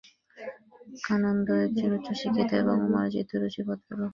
কানন্দ একজন উচ্চশিক্ষিত এবং মার্জিতরুচি ভদ্রলোক।